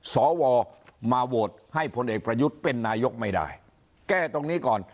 สวมาโหวตให้พลเอกประยุทธ์เป็นนายกไม่ได้แก้ตรงนี้ก่อน